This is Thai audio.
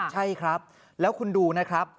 ใช่ครับแล้วคุณดูนะครับ